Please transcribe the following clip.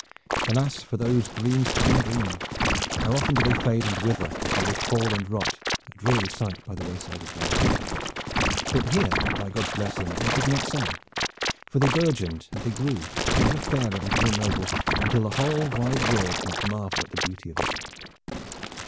Alas for those green spring dreaming! How often do they fade and wither until they fall and rot, a dreary sight, by the wayside of life! But here, by God's blessing, it was not so, for they burgeoned and they grew, ever fairer and more noble, until the whole wide world might marvel at the beauty of it.